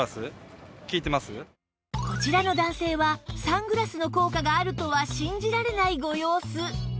こちらの男性はサングラスの効果があるとは信じられないご様子